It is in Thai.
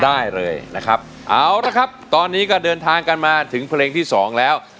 ได้เลยนะครับเอาละครับตอนนี้ก็เดินทางกันมาถึงเพลงที่สองแล้ว